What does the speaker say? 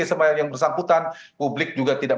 supaya yang bersangkutan publik juga tidak